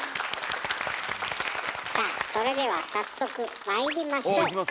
さあそれでは早速まいりましょうか。